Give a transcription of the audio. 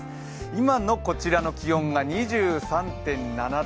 今のこちらの気温が２３．７度。